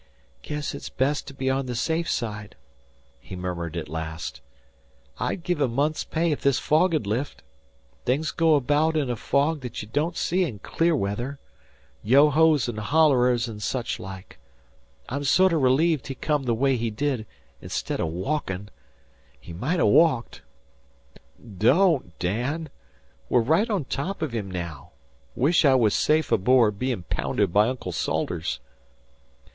"Guess it's best to be on the safe side," he murmured at last. "I'd give a month's pay if this fog 'u'd lift. Things go abaout in a fog that ye don't see in clear weather yo hoes an' hollerers and such like. I'm sorter relieved he come the way he did instid o' walkin'. He might ha' walked." "Don't, Dan! We're right on top of him now. 'Wish I was safe aboard, hem' pounded by Uncle Salters."